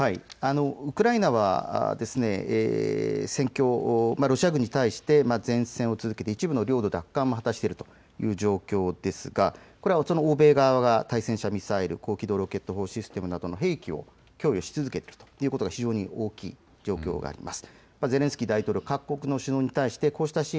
ウクライナはロシア軍に対して善戦を続けていて一部領土奪還を果たしているという状況ですがこれは欧米側が対戦車ミサイル高機動ロケット砲システムなどの兵器供与をし続けているということが非常に大きい状況があります。